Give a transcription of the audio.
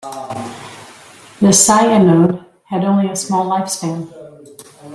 The Si-anode had only a small lifespan.